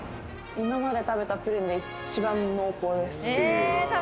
今まで食べたプリンで一番濃厚です。